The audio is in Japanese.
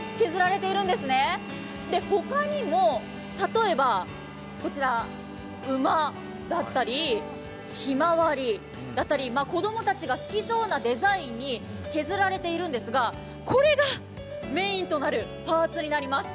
他にも、例えばこちら、馬だったりひまわりだったり、子供たちが好きそうなデザインに削られているんですが、これがメインとなるパーツとなります。